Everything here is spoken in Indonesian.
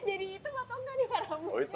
jadi hitam atau enggak nih pak rambutnya